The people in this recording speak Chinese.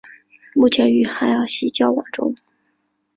目前与海尔希交往中。